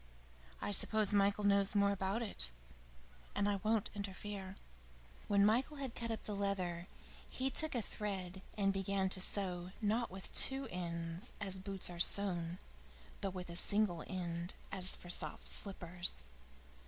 I suppose Michael knows more about it and I won't interfere." When Michael had cut up the leather, he took a thread and began to sew not with two ends, as boots are sewn, but with a single end, as for soft slippers.